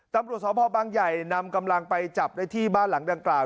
ตำรวจสพบังใหญ่นำกำลังไปจับได้ที่บ้านหลังดังกล่าว